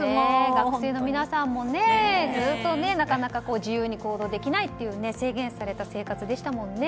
学生の皆さんもずっとなかなか自由に行動ができないという制限された生活でしたもんね。